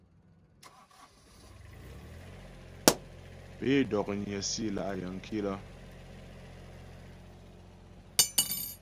Pé dó'nyə́ si lá' yəŋ kilə́ ?